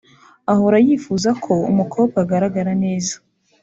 Ahora yifuza ko umukobwa agaragara neza